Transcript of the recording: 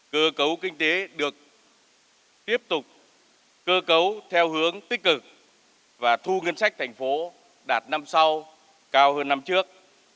cơ cấu kinh tế được tiếp tục cơ cấu theo hướng tích cực và thu ngân sách thành phố đạt năm sau cao hơn năm trước